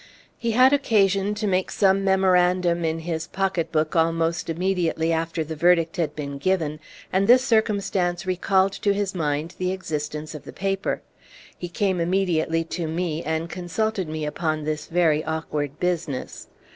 He had occasion to make some memorandum in his pocket book almost immediately after the verdict had been given, and this circumstance recalled to his mind the existence of the paper. He came immediately to me, and consulted me upon this very awkward business.